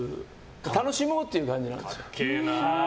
楽しもうって感じなんですよ。